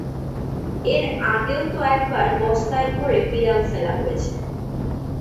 এর আগেও তো একবার বস্তায় ভরে বিড়াল ফেলা হয়েছে।